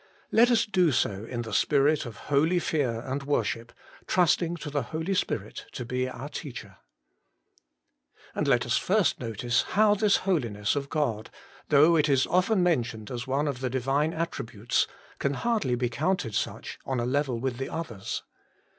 Let us do so in the spirit of holy fear and worship, trusting to the Holy Spirit to be our teacher. And let us first notice how this Holiness of God, though it is often mentioned as one of the Divine THE HOLY ONE OF ISRAEL. 101 attributes, can hardly be counted such, on a level with the others.